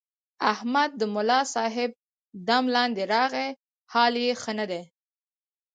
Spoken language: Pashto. احمد د ملاصاحب دم لاندې راغلی، حال یې ښه نه دی.